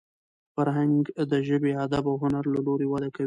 فرهنګ د ژبي، ادب او هنر له لاري وده کوي.